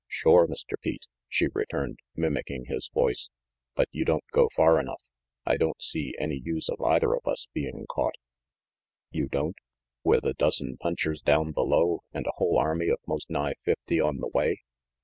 "Shore, Mr. Pete," she returned, mimicking his voice, "but you don't go far enough. I don't see any use of either of us being caught." "You don't? With a dozen punchers down below, and a whole army of most nigh fifty on the way."